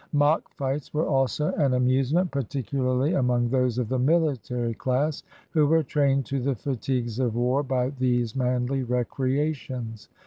Mock fights were also an amusement, particularly among those of the miHtary class, who were trained to the fatigues of war by these manly recreations.